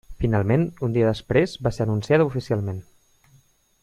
Finalment un dia després va ser anunciada oficialment.